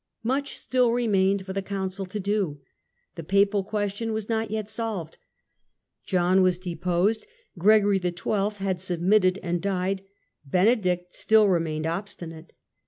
Much still remained for the Council to do : the Papal question was not yet solved. John was deposed ; Gregory XII. had submitted and died ; Benedict still remained obstinate.